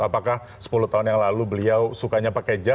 apakah sepuluh tahun yang lalu beliau sukanya pakai jazz atau tidak